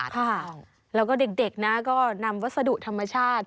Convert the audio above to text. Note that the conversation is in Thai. ค่ะแล้วก็เด็กก็นำวัสดุธรรมชาติ